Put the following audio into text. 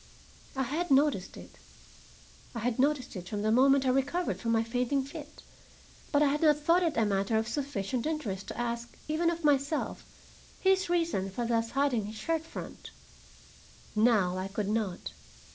I had noticed it. I had noticed it from the moment I recovered from my fainting fit, but I had not thought it a matter of sufficient interest to ask, even of myself, his reason for thus hiding his shirt front. Now I could not.